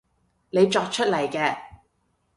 你作出嚟嘅